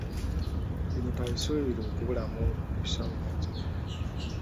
Bino tabisuubira kubulamu bisoomooza.